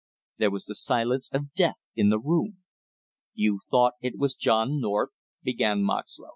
There was the silence of death in the room. "You thought it was John North?" began Moxlow.